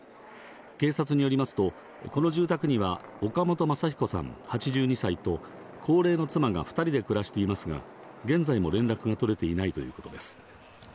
警察によりますと、この住宅には岡本正彦さん、８２歳と高齢の妻が２人で暮らしていますが、現在も連絡が取れていないということです。